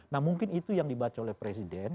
nah mungkin itu yang dibaca oleh presiden